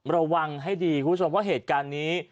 ระวังให้ดีคุณผู้ชมว่าเหตุการณ์นี้